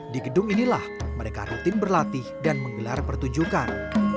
di gedung inilah mereka rutin berlatih dan menggelar pertunjukan